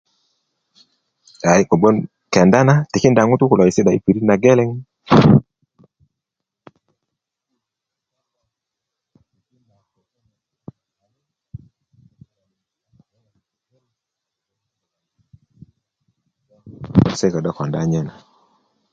ai kobgon kenda na tikinda ŋutu kulo i si'da i pirit nageleŋ a peti ŋo nagon se konda nyena